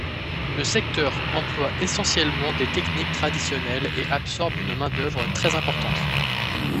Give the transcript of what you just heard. Le secteur emploie essentiellement des techniques traditionnelles et absorbe une main d'œuvre très importante.